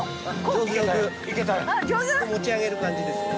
上手？で持ち上げる感じですね。